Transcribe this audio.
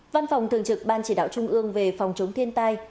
văn phòng thường trực ban chỉ đạo trung ương về phòng chống thiên tai